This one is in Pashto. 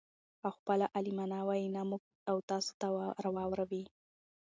او خپله عالمانه وينا موږ او تاسو ته را واور وي.